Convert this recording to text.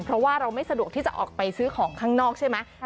เพราะว่าเราไม่สะดวกที่จะออกไปซื้อของข้างนอกใช่ไหม